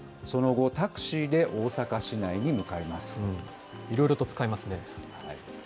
その後、タクシーで大阪市内に向いろいろと使いますね。